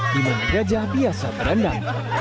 di mana gajah biasa berendam